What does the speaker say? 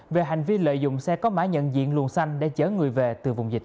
về hành vi lợi dụng xe có mã nhận diện luồn xanh để chở người về từ vùng dịch